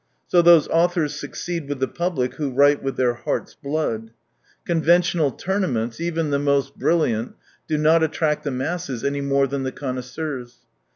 So those authors succeed with the public who write " with their heart's blood." Conventional tournaments, even the most brilliant, do not attract the masses any more than the connoisseurs.